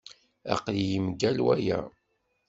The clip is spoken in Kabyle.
Aql-iyi mgal waya.